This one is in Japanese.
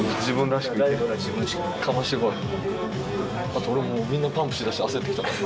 あと俺もみんなパンプしだして焦ってきた。